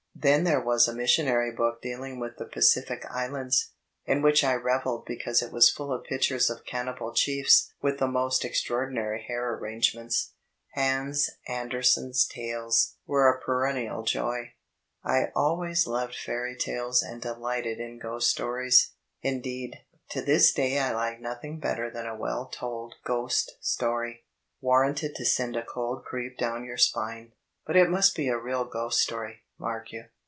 Then there was a missionary book dealing with the Pacific Islands, in which I revelled because it was full of pictures of cannibal chiefs with die most extraordinary hair arrange ments. Hans Andersen's Tales were a [>erennial joy. I al ways loved fairy tales and delighted in ghost stories. In deed, to this day I like nothing better than a well told ghost Story, warranted to send a cold creep down your spine. But it must be a real ghost story, mark you.